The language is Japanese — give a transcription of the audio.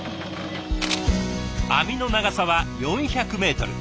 網の長さは４００メートル。